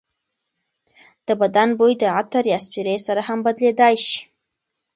د بدن بوی د عطر یا سپرې سره هم بدلېدای شي.